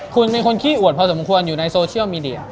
คุณเป็นคนขี้อวดพอสมควรอยู่ในโซเชียลมีเดีย